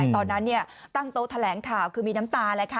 ตอนนั้นตั้งโต๊ะแถลงข่าวคือมีน้ำตาเลยค่ะ